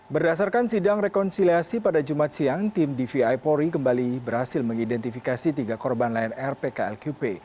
berdasarkan sidang rekonsiliasi pada jumat siang tim dvi polri kembali berhasil mengidentifikasi tiga korban lain rpklqp